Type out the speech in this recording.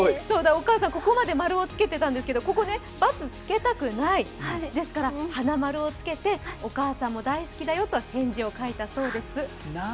お母さん、ここまで○をつけていたんですけど、ここ、×をつけたくないですから花丸をつけて、「お母さんも大好きだよ」と返事を書いたそうです。